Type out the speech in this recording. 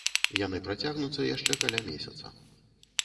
Яны працягнуцца яшчэ каля месяца.